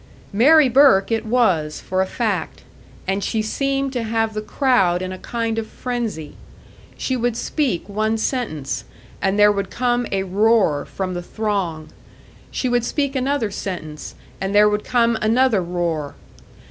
Mary Burke it was, for a fact; and she seemed to have the crowd in a kind of frenzy. She would speak one sentence, and there would come a roar from the throng; she would speak another sentence, and there would come another roar.